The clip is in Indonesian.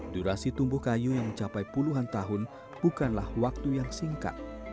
durasi tumbuh kayu yang mencapai puluhan tahun bukanlah waktu yang singkat